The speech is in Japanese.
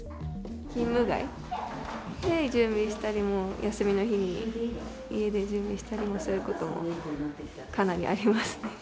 勤務外に準備したりも、休みの日に家で準備したりすることもかなりありますね。